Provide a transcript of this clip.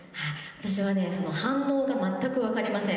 私はね、その反応が全く分かりません。